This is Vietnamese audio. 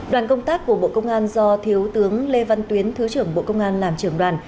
đoàn công tác của bộ công an do thiếu tướng lê văn tuyến thứ trưởng bộ công an làm trưởng đoàn